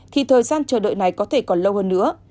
thì thời gian chờ đợi này có thể còn lâu hơn nữa